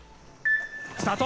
スタート！